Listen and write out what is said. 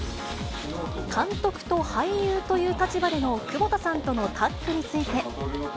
監督と俳優という立場での窪田さんとのタッグについて。